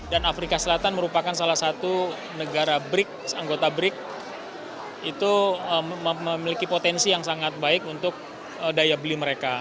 dan afrika selatan merupakan salah satu negara bric anggota bric itu memiliki potensi yang sangat baik untuk daya beli mereka